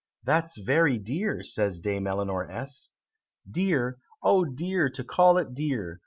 ("That's very dear," says Dame Eleanor S.) "Dear! Oh dear, to call it dear!